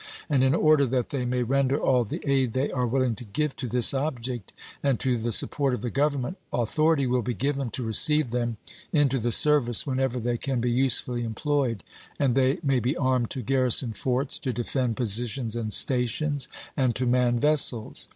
And, in order that they may render all the aid they are willing to give to this object and to the support of the Government, au thority will be given to receive them into the service whenever they can be usefully employed, and they may be armed to garrison forts, to defend positions and stations, and to man vessels.